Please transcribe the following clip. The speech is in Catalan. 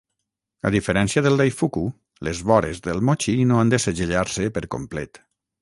A diferència del "daifuku", les vores del "mochi" no han de segellar-se per complet.